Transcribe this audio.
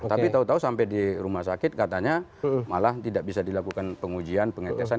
tapi tahu tahu sampai di rumah sakit katanya malah tidak bisa dilakukan pengujian pengetesan